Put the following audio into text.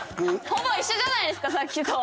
ほぼ一緒じゃないですかさっきと！